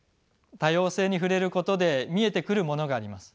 多様性に触れることで見えてくるものがあります。